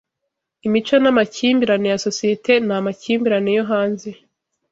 Imico namakimbirane ya societe ni amakimbirane yo hanze